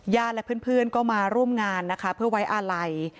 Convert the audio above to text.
และเพื่อนก็มาร่วมงานนะคะเพื่อไว้อาลัย